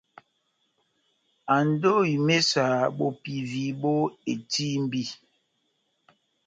Ando ó imésa bopivi bó etímbi.